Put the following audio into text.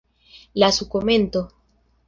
Lasu komenton!